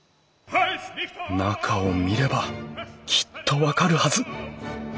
中を見ればきっと分かるはず。